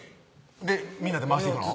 みんなで回していくの？